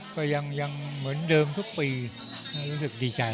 ก็ยังเหมือนเดิมทุกปีรู้สึกดีใจ